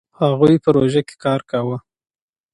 هغوی په پروژه کار کاوه.